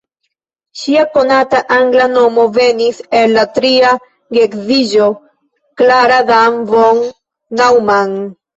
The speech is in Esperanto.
Ŝia konata angla nomo venis el la tria geedziĝo: "Klara Dan von Neumann".